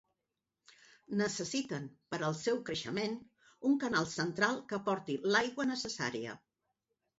Necessiten per al seu creixement un canal central que aporti l'aigua necessària.